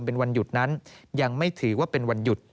เป็นวันหยุดนั้นยังไม่ถือว่าเป็นวันหยุด